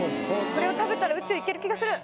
これを食べたら宇宙行ける気がする。